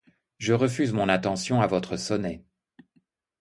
Je refuse mon attention à votre sonnet.